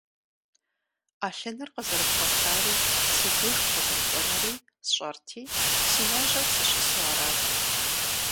Ӏэлъыныр къызэрыбгъуэтари си деж укъызэрыкӀуэнури сщӀэрти, сыножьэу сыщысу арат.